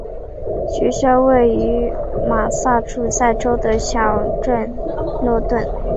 学校位于马萨诸塞州的小镇诺顿。